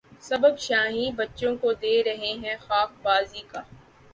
سبق شاہیں بچوں کو دے رہے ہیں خاک بازی کا